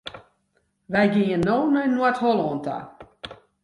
Wy gean no nei Noard-Hollân ta.